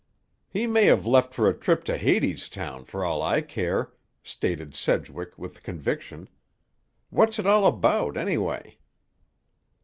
"He may have left for a trip to Hadestown for all I care," stated Sedgwick with conviction. "What's it all about, anyway?"